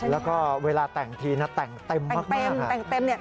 แล้วก็เวลาแต่งทีแต่งเต็มมาก